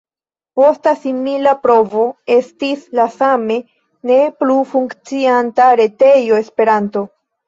Posta simila provo estis la same ne plu funkcianta retejo Esperanto.